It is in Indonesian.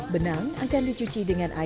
benang akan dicuci dengan air